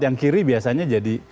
yang kiri biasanya jadi